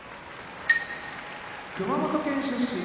熊本県出身